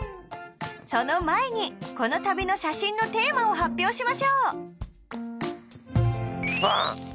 その前にこの旅の写真のテーマを発表しましょうバン！